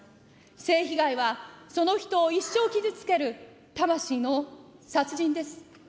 性被害は、その人を一生傷つける魂の殺人です。